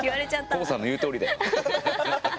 ＫＯＯさんの言うとおりだよ。